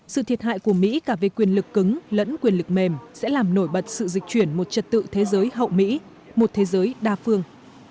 sự thiệt hại của mỹ cả về quyền lực cứng lẫn quyền lực mềm sẽ làm nổi bật sự dịch chuyển một trật tự thế giới hậu mỹ một thế giới đa phương